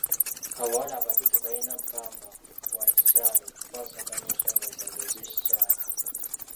Abawala abato tebaalina ppamba wa kikyala okukwasaganya ensoonga zaabwe ez'ekikyala.